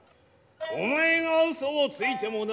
お前が嘘をついてもな